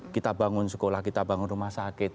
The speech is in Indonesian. kita bangun sekolah kita bangun rumah sakit